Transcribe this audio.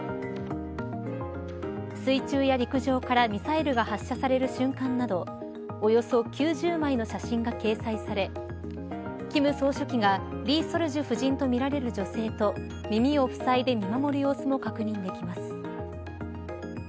水中や陸上からミサイルが発射される瞬間などおよそ９０枚の写真が掲載され金総書記が李雪主夫人とみられる女性と耳をふさいで見守る様子も確認できます。